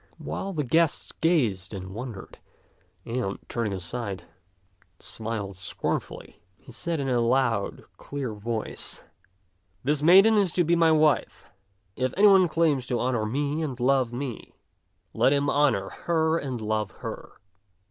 While the guests gazed and wondered, and, turning aside, smiled scornfully, he said in a loud, clear voice, " This maiden is to be my wife. If any one claims to honor me and love me, let him honor her and love her.